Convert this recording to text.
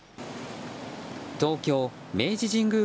東京・明治神宮